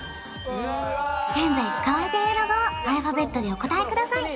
現在使われているロゴをアルファベットでお答えください